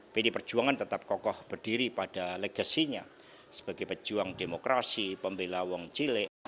pdi perjuangan tetap kokoh berdiri pada legasinya sebagai pejuang demokrasi pembela wong cile